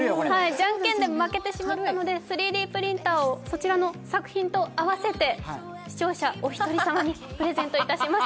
じゃんけんで負けてしまったので、３Ｄプリンターをこちらの作品と併せて視聴者お一人様にプレゼントします。